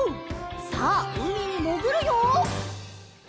さあうみにもぐるよ！